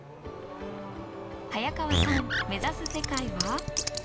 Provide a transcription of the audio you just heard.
早川さん目指す世界は？